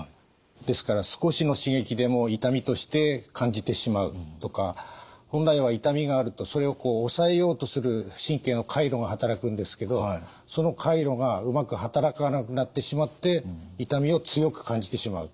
ですから少しの刺激でも痛みとして感じてしまうとか本来は痛みがあるとそれを抑えようとする神経の回路が働くんですけどその回路がうまく働かなくなってしまって痛みを強く感じてしまうということがあります。